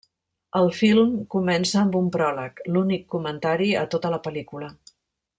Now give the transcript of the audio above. El film comença amb un pròleg, l'únic comentari a tota la pel·lícula.